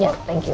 ya terima kasih